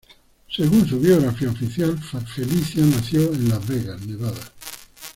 Según su biografía oficial, Felicia nació en Las Vegas, Nevada.